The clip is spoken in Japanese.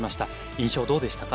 印象どうでしたか？